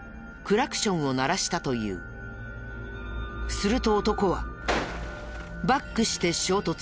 すると男はバックして衝突。